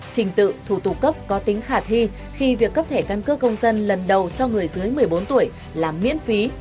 trình tự thủ tục cấp có tính khả thi khi việc cấp thẻ căn cước công dân lần đầu cho người dưới một mươi bốn tuổi là miễn phí